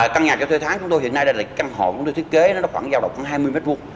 căn nhà cho thuê tháng chúng tôi hiện nay đây là căn hộ chúng tôi thiết kế khoảng giao động khoảng hai mươi m hai